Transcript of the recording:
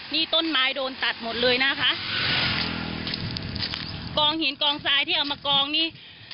นี่ต้นไม้โดนตัดหมดเลยนะคะกองหินกองทรายที่เอามากองนี่